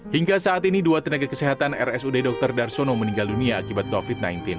hingga saat ini dua tenaga kesehatan rsud dr darsono meninggal dunia akibat covid sembilan belas